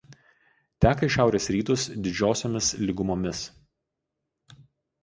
Teka į šiaurės rytus Didžiosiomis lygumomis.